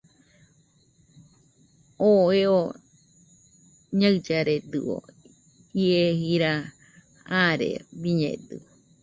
Oo eo ñaɨllaredɨio, ie jira aare biñedɨio